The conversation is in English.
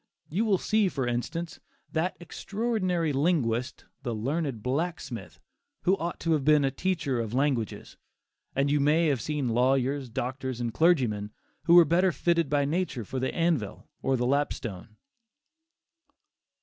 You will see for instance, that extraordinary linguist the "learned blacksmith," who ought to have been a teacher of languages; and you may have seen lawyers, doctors and clergymen who were better fitted by nature for the anvil or the lapstone.